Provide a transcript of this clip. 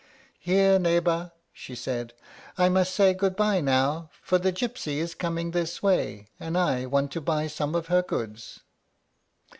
"Here, neighbor," she said; "I must say good by now, for the gypsy is coming this way, and I want to buy some of her goods."